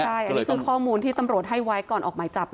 ใช่อันนี้คือข้อมูลที่ตำรวจให้ไว้ก่อนออกหมายจับ